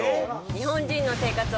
日本人の生活を変えた！